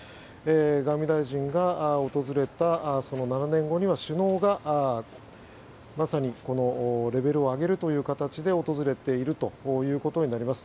外務大臣らが訪れたその７年後には首脳がまさにレベルを上げるという形で訪れているということになります。